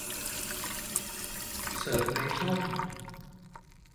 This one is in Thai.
เสิร์ชในช่อง